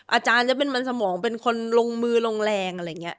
อาจารย์จะเป็นมันสมองเป็นคนลงมือลงแรงอะไรอย่างนี้